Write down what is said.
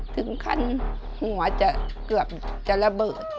ถึงขั้นหัวจะเกือบจะระเบิด